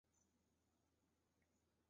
曾加盟香港亚洲电视及无线电视。